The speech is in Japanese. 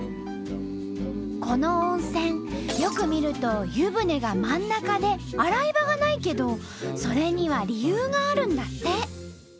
この温泉よく見ると湯船が真ん中で洗い場がないけどそれには理由があるんだって。